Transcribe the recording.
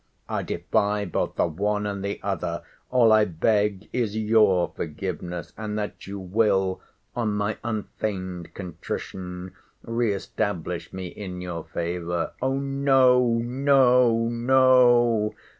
—I defy both the one and the other—All I beg is YOUR forgiveness; and that you will, on my unfeigned contrition, re establish me in your favour—— O no, no, no!